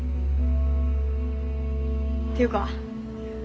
っていうか